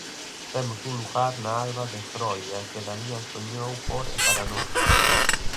Temos un lugar na Alba de Groria que Daniel soñou por e para nós.